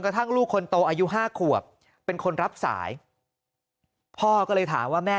ทั้งลูกคนโตอายุห้าขวบเป็นคนรับสายพ่อก็เลยถามว่าแม่